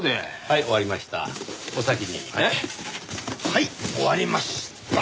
はい終わりました！